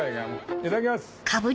いただきます！